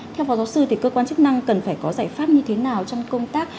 theo phó giáo sư thì cơ quan chức năng cần phải có giải pháp như thế nào trong công tác